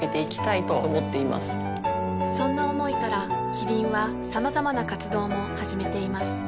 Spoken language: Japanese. そんな思いからキリンはさまざまな活動も始めています